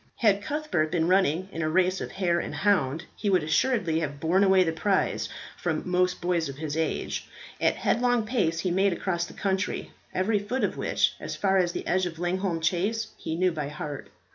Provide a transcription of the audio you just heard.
Had Cuthbert been running in a race of hare and hound, he would assuredly have borne away the prize from most boys of his age. At headlong pace he made across the country, every foot of which, as far as the edge of Langholm Chase, he knew by heart.